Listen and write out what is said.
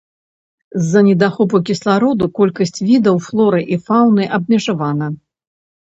З-за недахопу кіслароду колькасць відаў флоры і фаўны абмежавана.